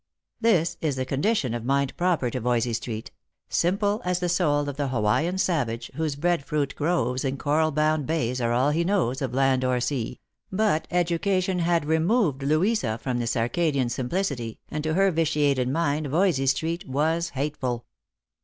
This is the condition of mind proper to Voysey street — simple as the soul of the Hawaian savage, whose bread fruit groves and coral bound bays are all he knows of land or sea ; but education had removed Louisa from this Arcadian simplicity, and to her vitiated mind Voysey street was hateful.